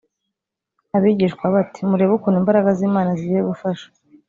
abigishwa be ati murebe ukuntu imbaraga z imana zigiye gufasha